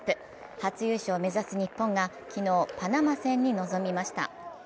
初優勝を目指す日本が昨日、パナマ戦に臨みました。